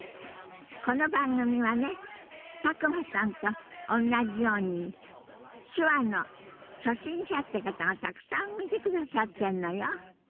この番組はね佐久間さんとおんなじように手話の初心者って方がたくさん見てくださってんのよ。